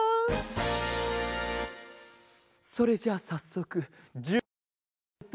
それじゃあさっそくじゅもんをかけて。